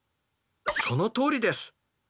そのとおりです！